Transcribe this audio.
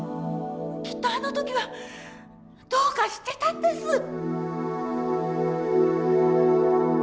きっとあの時はどうかしてたんです。